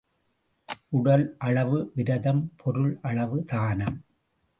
உடல் அளவு விரதம் பொருள் அளவு தானம்.